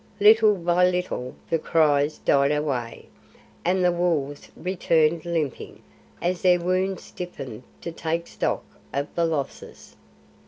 Little by little the cries died away, and the wolves returned limping, as their wounds stiffened, to take stock of the losses.